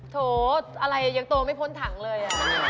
โถอะไรยังโตไม่พ้นถังเลย